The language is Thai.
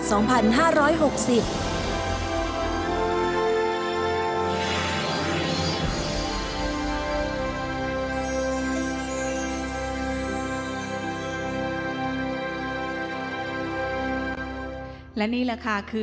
ฉบับวันที่๒๘ตุลาคมพุทธศักราช๒๕๖๐